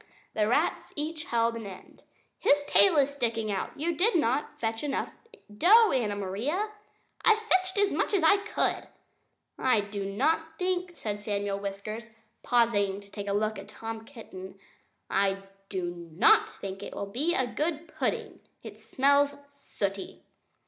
The rats each held an end. "His tail is sticking out! You did not fetch enough dough, Anna Maria." "I fetched as much as I could carry," replied Anna Maria. "I do not think" said Samuel Whiskers, pausing to take a look at Tom Kitten "I do NOT think it will be a good pudding. It smells sooty."